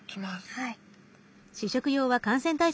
はい。